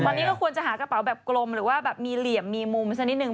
ตอนนี้ก็ควรจะหากระเป๋าแบบกลมหรือว่าแบบมีเหลี่ยมมีมุมสักนิดนึง